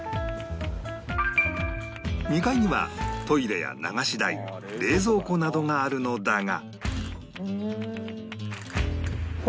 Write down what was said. ２階にはトイレや流し台冷蔵庫などがあるのだが